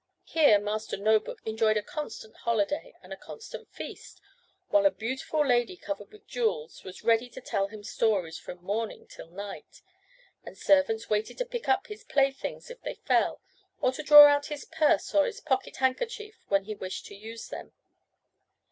Here Master No book enjoyed a constant holiday and a constant feast, while a beautiful lady covered with jewels was ready to tell him stories from morning till night, and servants waited to pick up his playthings if they fell, or to draw out his purse or his pocket handkerchief when he wished to use them.